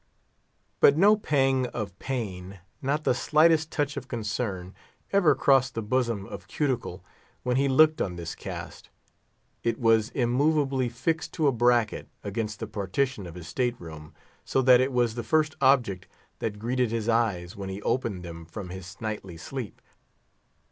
But no pang of pain, not the slightest touch of concern, ever crossed the bosom of Cuticle when he looked on this cast. It was immovably fixed to a bracket, against the partition of his state room, so that it was the first object that greeted his eyes when he opened them from his nightly sleep.